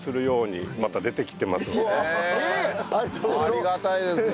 ありがたいですね。